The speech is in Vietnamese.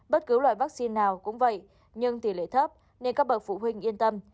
bất cứ loại vaccine nào cũng vậy nhưng tỷ lệ thấp nên các bậc phụ huynh yên tâm